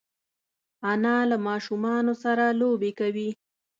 انا له ماشومانو سره لوبې کوي